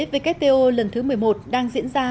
vkto lần thứ một mươi một đang diễn ra